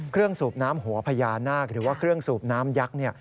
สูบน้ำหัวพญานาคหรือว่าเครื่องสูบน้ำยักษ์